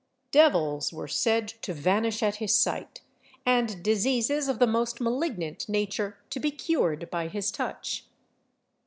Devils were said to vanish at his sight, and diseases of the most malignant nature to be cured by his touch.